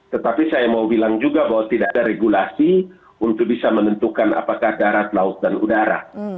tetapi saya mau bilang juga bahwa tidak ada regulasi untuk bisa menentukan apakah darat laut dan udara